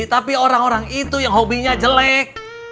tapi orang orang itu yang hobinya jelek